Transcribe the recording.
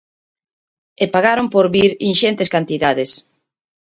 E pagaron por vir inxentes cantidades.